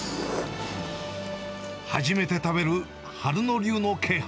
初めて食べる春野流の鶏飯。